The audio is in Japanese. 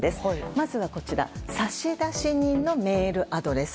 まずは、差出人のメールアドレス。